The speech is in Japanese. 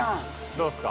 ◆どうっすか。